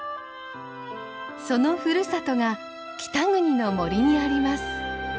そのふるさとが北国の森にあります。